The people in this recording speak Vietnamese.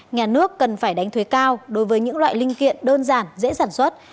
nhà nước cần phải đánh thuế cao đối với những loại linh kiện đơn giản dễ sản xuất